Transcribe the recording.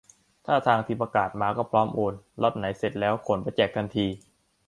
ถ้าทางทีมประกาศมาก็พร้อมโอน ล็อตไหนเสร็จแล้วขนไปแจกทันที